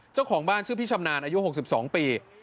เจ้าของบ้านชื่อพี่ชำนาญอายุ๖๒ปี